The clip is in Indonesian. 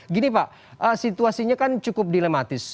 gini pak situasinya kan cukup dilematis